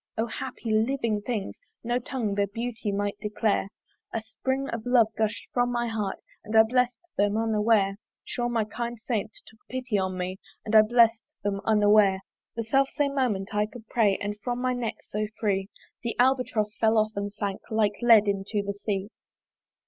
O happy living things! no tongue Their beauty might declare: A spring of love gusht from my heart, And I bless'd them unaware! Sure my kind saint took pity on me, And I bless'd them unaware. The self same moment I could pray; And from my neck so free The Albatross fell off, and sank Like lead into the sea.